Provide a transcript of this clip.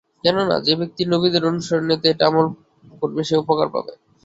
কেননা, যে ব্যক্তি নবীদের অনুসরণের নিয়তে এটা আমল করবে সে উপকার পাবে।